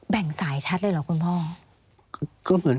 ่งสายชัดเลยเหรอคุณพ่อ